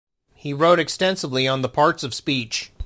He wrote extensively on the parts of speech.